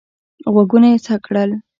غوږونه یې څک کړل.